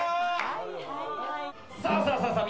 さあさあさあさあ